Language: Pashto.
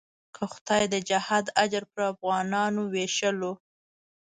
که خدای د جهاد اجر پر افغانانو وېشلو.